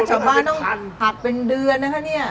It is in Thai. ชาวบ้านต้องผักเป็นเดือนนะคะเนี่ย